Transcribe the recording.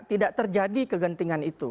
tidak terjadi kegentingan itu